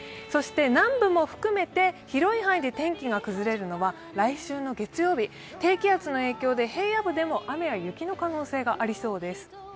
そして南部も含めて広い範囲で天気が崩れるのは来週の月曜日、低気圧の影響で平野部でも雨や雪の可能性がありそうです。